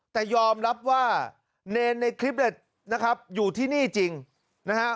แต่ยอมรับว่าเนรในคลิปเนี่ยนะครับอยู่ที่นี่จริงนะฮะ